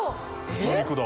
豚肉だ。